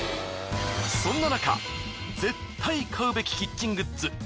そんななか絶対買うべきキッチングッズ